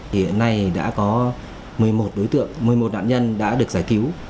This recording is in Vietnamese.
thì hiện nay đã có một mươi một đối tượng một mươi một nạn nhân đã được giải cứu